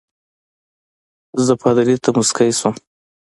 زه پادري ته مسکی شوم.